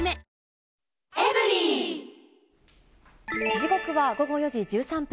時刻は午後４時１３分。